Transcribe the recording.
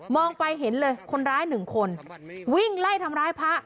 มองไปเห็นเลยคนร้าย๑คนวิ่งไล่ทำร้ายพระ